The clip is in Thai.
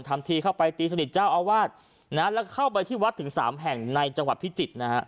ทำทีเข้าไปตีสนิทเจ้าอาวาสนะแล้วเข้าไปที่วัดถึงสามแห่งในจังหวัดพิจิตรนะฮะ